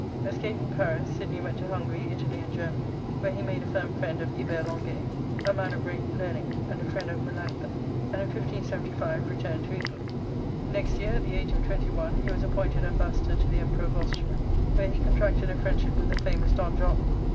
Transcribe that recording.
Escaping Paris, Sidney went to Hun gary, Italy, and Germany, where ^e made a firm friend of Hubert Languet, a man of great learning, and%a friend of Melancthon, and in 1575 returned to England. Next year, at the age of twenty one, he was appointed suBbassador^iO^the Emperor of Austria, where he contracted a friendship with the famous Don John.